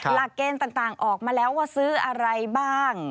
หลักเกณฑ์ต่างออกมาแล้วว่าซื้ออะไรบ้าง